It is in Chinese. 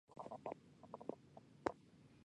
东部低地大猩猩是现存最大的灵长目动物。